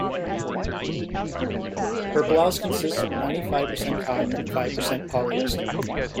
Her blouse consists of ninety-five percent cotton and five percent polyester.